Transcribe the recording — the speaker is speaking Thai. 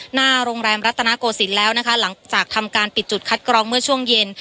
หน้าโรงแรมรัตนโกศิลป์แล้วนะคะหลังจากทำการปิดจุดคัดกรองเมื่อช่วงเย็น